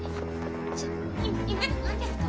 ちょ今の何ですか？